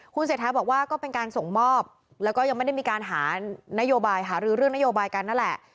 คุณเศรษฐาบอกว่าก็เป็นการส่งมอบแล้วก็ยังไม่ได้มีการหานโยบายหารือเรื่องนโยบายกันนั่นแหละ